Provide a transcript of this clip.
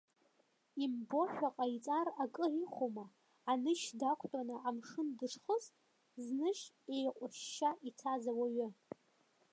Имбошәа ҟаиҵар акыр ихәома, анышь дақәтәаны амшын дышхыз, знышь еиҟәышьшьа ицаз ауаҩы?!